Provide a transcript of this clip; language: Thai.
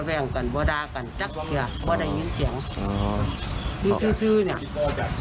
ไม่แบ่งกันไม่ดากันจั๊กเหลือไม่ได้ยินเสียงอ๋อนี่ซื้อซื้อนี่